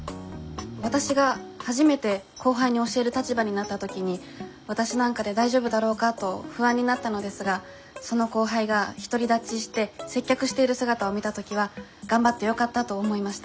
わたしが初めて後輩に教える立場になった時にわたしなんかで大丈夫だろうかと不安になったのですがその後輩が独り立ちして接客している姿を見た時は頑張ってよかったと思いました。